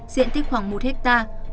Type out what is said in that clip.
diện tích khoảng một hectare